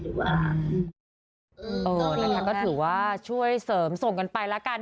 เออนะคะก็ถือว่าช่วยเสริมส่งกันไปแล้วกัน